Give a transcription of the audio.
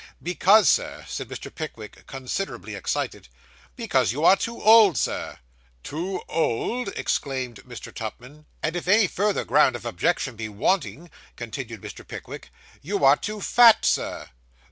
'Because, Sir,' said Mr. Pickwick, considerably excited 'because you are too old, Sir.' 'Too old!' exclaimed Mr. Tupman. 'And if any further ground of objection be wanting,' continued Mr. Pickwick, 'you are too fat, sir.